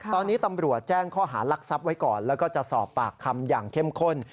ตอนนี้ตำรวจแจ้งข้อหารักทรัพย์ไว้ก่อนแล้วก็จะสอบปากคำอย่างเข้มข้น